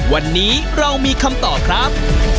วันนี้เรามีคำตอบครับ